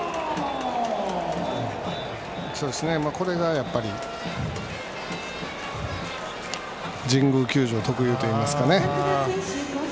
これがやっぱり神宮球場特有といいますかね。